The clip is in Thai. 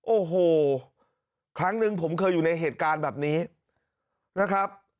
โอ้โหครั้งหนึ่งผมเคยอยู่ในเหตุการณ์แบบนี้นะครับ